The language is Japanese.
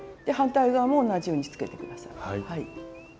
反対側も同じようにつけて下さい。